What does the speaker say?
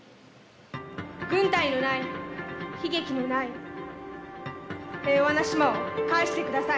軍隊のない悲劇のない平和な島を返して下さい。